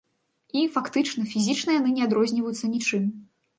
І, фактычна, фізічна яны не адрозніваюцца нічым.